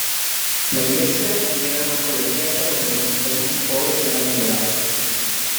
La iglesia era una colegiata donde los enfermos y pobres eran cuidados.